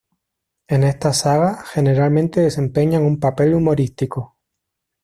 En estas sagas, generalmente desempeñan un papel humorístico.